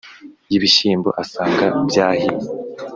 y'ibishyimbo asanga byahiye.